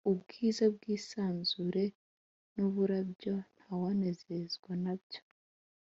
Ubwiza bw’isanzure n’uburabyo ntawanezezwa nabyo